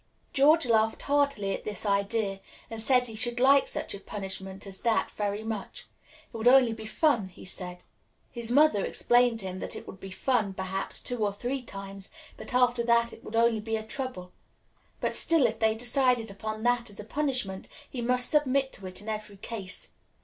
George laughed heartily at this idea, and said he should like such a punishment as that very much. It would only be fun, he said. His mother explained to him that it would be fun, perhaps, two or three times, but after that it would only be a trouble; but still, if they decided upon that as a punishment, he must submit to it in every case.